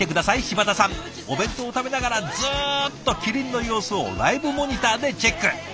柴田さんお弁当を食べながらずっとキリンの様子をライブモニターでチェック。